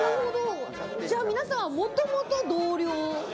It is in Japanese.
じゃあ皆さんもともと同僚？